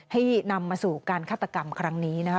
ให้นำมาสู่การฆาตกรรมครั้งนี้นะคะ